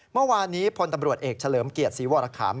เมื่อวานนี้พลตำรวจเอกเฉลิมเกียรติศรีวรคาม